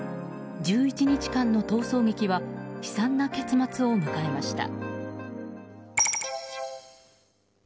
１１日間の逃走劇は悲惨な結末を迎えました。